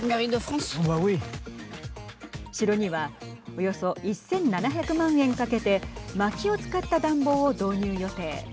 城にはおよそ１７００万円かけてまきを使った暖房を導入予定。